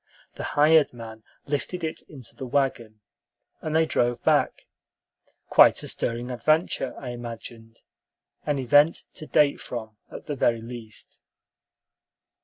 The hired man lifted it into the wagon, and they drove back, quite a stirring adventure, I imagined; an event to date from, at the very least.